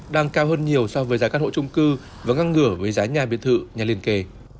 đang cao hơn nhiều so với giá căn hộ trung cư và ngăn ngửa với giá nhà biệt thự nhà liên kề